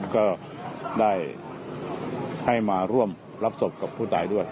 ก็ได้ให้มาร่วมรับศพกับผู้ตายด้วย